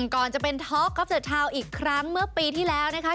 ก่อนจะเป็นท็อกคอปเตอร์ทาวน์อีกครั้งเมื่อปีที่แล้วนะคะ